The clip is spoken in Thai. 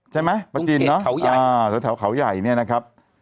ใช่ไหมประจีนเนอะอ่าตรงแถวเขาใหญ่เนี่ยนะครับ